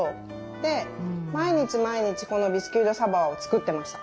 で毎日毎日このビスキュイ・ド・サヴォワを作ってました。